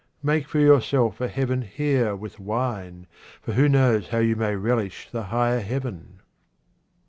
Make for yourselves a heaven here with wine, for who knows how you may relish the higher heaven